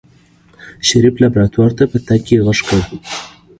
شريف لابراتوار ته په تګ کې غږ کړ.